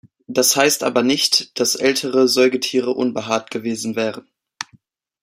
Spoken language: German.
Das heißt aber nicht, dass ältere Säugetiere unbehaart gewesen wären.